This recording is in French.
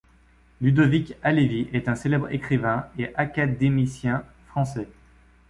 Ludovic Halévy est un célèbre écrivain et académicien français.